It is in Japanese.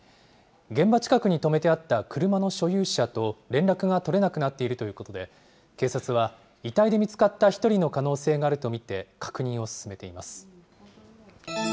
現場近くに止めてあった車の所有者と連絡が取れなくなっているということで、警察は遺体で見つかった１人の可能性があると見て、確認を進めています。